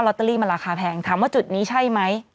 ตเตอรี่มันราคาแพงถามว่าจุดนี้ใช่ไหม